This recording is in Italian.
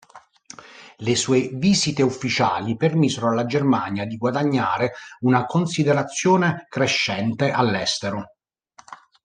Le sue visite ufficiali permisero alla Germania di guadagnare una considerazione crescente all'estero.